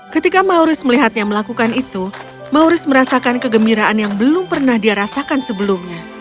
ketika mauris melihatnya melakukan itu mauris merasakan kegembiraan yang belum pernah dia rasakan sebelumnya